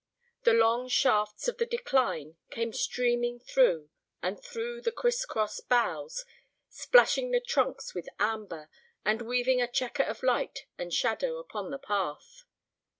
The long shafts of the decline came streaming through and through the criss cross boughs, splashing the trunks with amber, and weaving a checker of light and shadow upon the path.